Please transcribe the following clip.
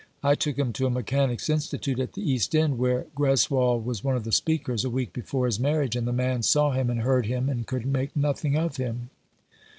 I took him to a Mechanics' Institute at the East End, where Greswold was one of the speakers, a week before his marriage, and the man saw him and heard him, and could make nothing of him.